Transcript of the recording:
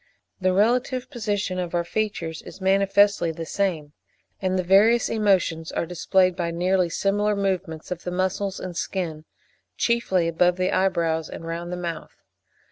The relative position of our features is manifestly the same; and the various emotions are displayed by nearly similar movements of the muscles and skin, chiefly above the eyebrows and round the mouth.